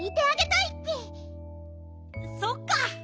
そっか。